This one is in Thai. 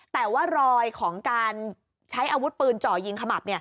แต่ว่ารอยของการใช้อาวุธปืนจ่อยิงขมับ